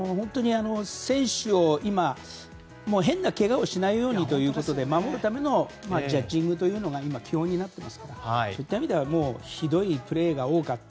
選手を変なけがをしないようにということで守るためのジャッジングというのが基本になっていますからそういった意味ではひどいプレーが多かった。